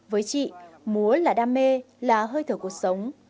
với chị múa là đam mê là hơi thở cuộc sống